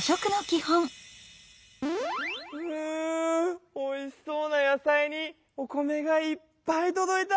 うおいしそうな野菜にお米がいっぱいとどいた！